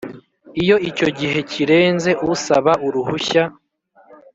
iyo icyo gihe kirenze usaba uruhushya